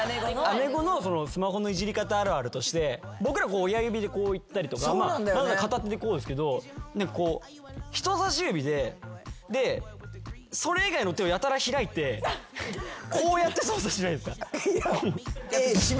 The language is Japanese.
姉御のスマホのいじり方あるあるとして僕ら親指でこういったりとか片手でこうですけどこう人さし指でそれ以外の手をやたら開いてこうやって操作してないですか？